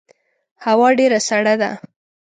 هوا ډیره سړه ده